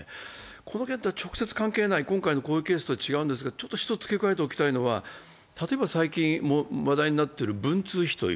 この件とは直接関係ない、今回のこういうケースとは違うんですが、１つ付け加えておきたいのは、例えば最近問題になっている文通費。